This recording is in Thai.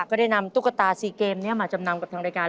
ก็ได้นำตุ๊กตาซีเกมนี้มาจำนำกับทางรายการ